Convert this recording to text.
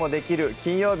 金曜日」